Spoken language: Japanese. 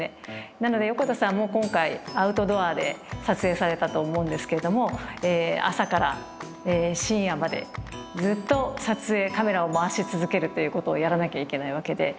なので横田さんも今回アウトドアで撮影されたと思うんですけれども朝から深夜までずっと撮影カメラを回し続けるっていうことをやらなきゃいけないわけで。